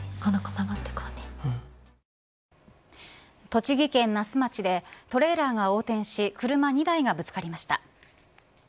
栃木県那須町でトレーラーが横転し車２台がぶつかりました。